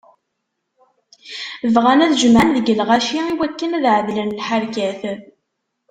Bɣan ad jemɛen deg lɣaci, iwakken ad ɛedlen lḥerkat.